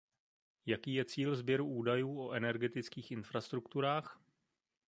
Jaký je cíl sběru údajů o energetických infrastrukturách?